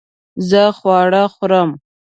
زه خواړه خورم